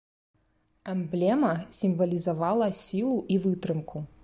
Эмблема сімвалізавала сілу і вытрымку.